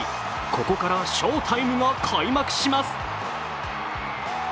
ここから翔タイムが開幕します。